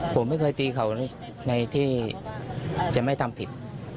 ผมไม่เคยตีเขาในที่จะไม่ทำผิด